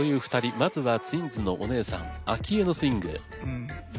まずはツインズのお姉さん明愛のスイング。